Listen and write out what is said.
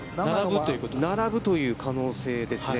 並ぶという可能性ですね。